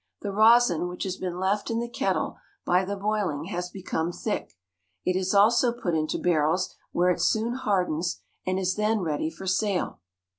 The rosin which has been left in the kettle by the boiling has become thick. It is also put into barrels, where it soon hardens, and is then ready for sale.